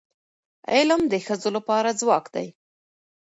علم د ښځو لپاره ځواک دی.